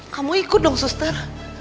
kamu ikut dong suster